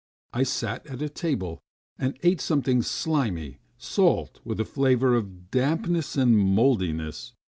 I sat at a table and ate something slimy, salt with a flavour of dampness and mouldiness.